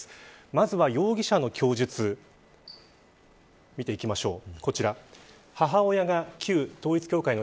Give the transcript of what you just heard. まずは容疑者の供述を見ていきましょう。